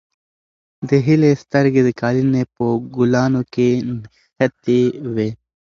د هیلې سترګې د قالینې په ګلانو کې نښتې وې.